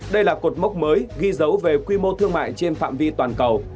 đây là cột mốc mới ghi dấu về quy mô thương mại trên phạm vi toàn cầu